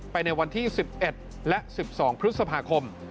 ในวันที่๑๑และ๑๒พฤษภาคม